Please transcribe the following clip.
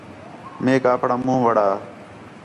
میک آپݨاں مُون٘ھ وڑا